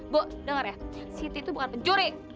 bu denger ya siti tuh bukan penjuri